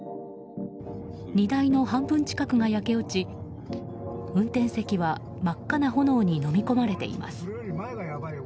荷台の半分近くが焼け落ち運転席は真っ赤な炎にのみ込まれています。